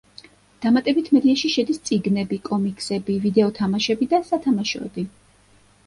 დამატებით მედიაში შედის წიგნები, კომიქსები, ვიდეო თამაშები და სათამაშოები.